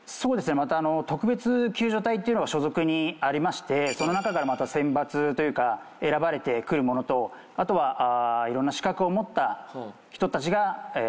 また特別救助隊っていうの所属にありましてその中からまた選抜というか選ばれてくる者とあとはいろんな資格を持った人たちが集まってですね